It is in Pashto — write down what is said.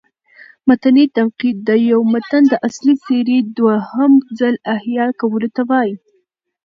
متني تنقید: د یو متن د اصلي څېرې دوهم ځل احیا کولو ته وايي.